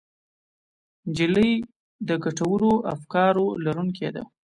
نجلۍ د ګټورو افکارو لرونکې ده.